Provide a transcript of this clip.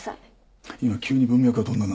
今急に文脈が飛んだな。